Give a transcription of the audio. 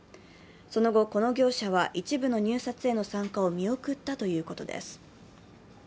その後、この業者は一部の入札への参加を見送ったということです。